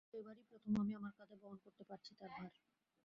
কিন্তু এবারই প্রথম, আমি আমার কাঁধে বহন করতে পারছি তাঁর ভার।